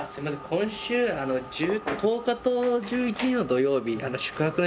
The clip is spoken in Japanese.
今週１０日と１１日の土曜日。